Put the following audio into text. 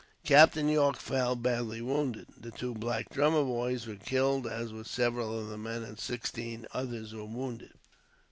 Captain Yorke fell, badly wounded. The two black drummer boys were killed, as were several of the men, and sixteen others were wounded.